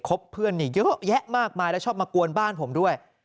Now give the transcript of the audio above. บเพื่อนนี่เยอะแยะมากมายแล้วชอบมากวนบ้านผมด้วย